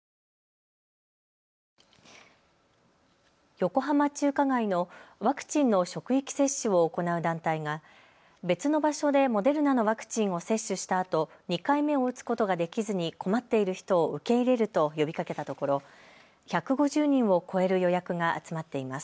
横浜中華街のワクチンの職域接種を行う団体が別の場所でモデルナのワクチンを接種したあと２回目を打つことができずに困っている人を受け入れると呼びかけたところ１５０人を超える予約が集まっています。